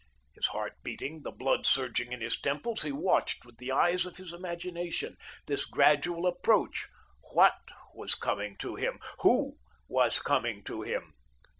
His heart beating, the blood surging in his temples, he watched with the eyes of his imagination, this gradual approach. What was coming to him? Who was coming to him?